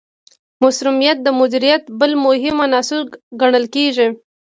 مثمریت د مدیریت بل مهم عنصر ګڼل کیږي.